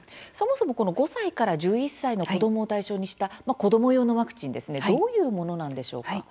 そもそも、この５歳から１１歳の子どもを対象にした子ども用のワクチンどういうものなんでしょうか？